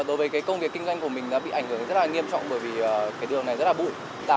đối với công việc kinh doanh của mình đã bị ảnh hưởng rất nghiêm trọng bởi vì đường này rất là bụi